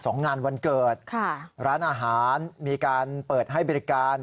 งานวันเกิดค่ะร้านอาหารมีการเปิดให้บริการ